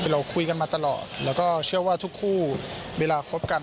เราคุยกันมาตลอดแล้วก็เชื่อว่าทุกคู่เวลาคบกัน